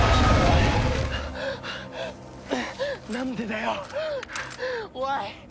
なんでだよおい！